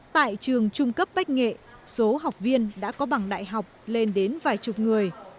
tại trường trung cấp bách nghệ số học viên đã có bằng đại học lên đến vài chục người